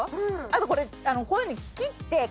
あとこれこういうふうに。